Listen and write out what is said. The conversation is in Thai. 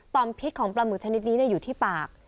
อมพิษของปลาหมึกชนิดนี้อยู่ที่ปาก